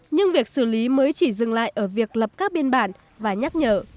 nhưng việc xử lý mới chỉ dừng lại ở việc lập các biên bản và nhắc nhở